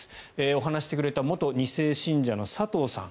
お話ししてくれた元２世信者の佐藤さん。